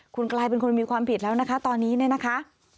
คุณกลายเป็นคนมีความผิดแล้วนะคะตอนนี้เนี่ยนะคะ